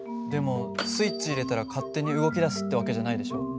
でもスイッチ入れたら勝手に動き出すって訳じゃないでしょ。